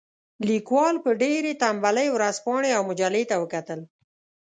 لیکوال په ډېرې تنبلۍ ورځپاڼې او مجلې ته وکتل.